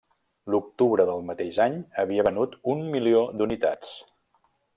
L'octubre del mateix any havia venut un milió d'unitats.